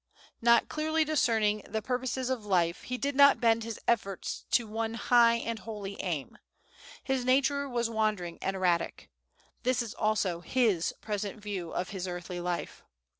Not clearly discerning the purposes of life, he did not bend his efforts to one high and holy aim. His nature was wandering and erratic. This is also his present view of his earthly life.